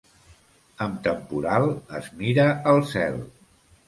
Amb temporal, es mira al cel.